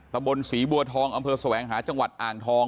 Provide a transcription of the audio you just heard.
ตะบนศรีบัวทองอำเภอแสวงหาจังหวัดอ่างทอง